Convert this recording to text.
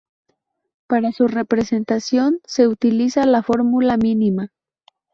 Para su representación se utiliza la fórmula mínima.